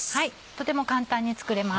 とても簡単に作れます。